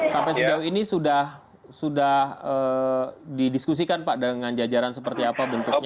sampai sejauh ini sudah didiskusikan pak dengan jajaran seperti apa bentuknya